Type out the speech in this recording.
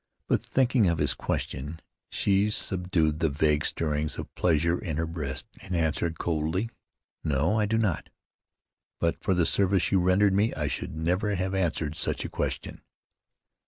But, thinking of his question, she subdued the vague stirrings of pleasure in her breast, and answered coldly: "No, I do not; but for the service you rendered me I should never have answered such a question."